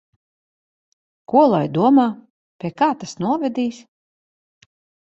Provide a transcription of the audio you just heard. Ko lai domā? Pie kā tas novedīs?